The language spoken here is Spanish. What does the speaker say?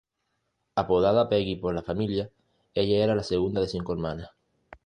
Apodada "Peggy" por la familia, ella era la segunda de cinco hermanas.